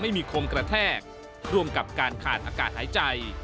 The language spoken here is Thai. ไม่มีคมกระแทกร่วมกับการขาดอากาศหายใจ